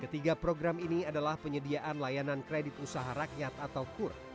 ketiga program ini adalah penyediaan layanan kredit usaha rakyat atau kur